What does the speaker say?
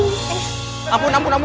eh ampun ampun ampun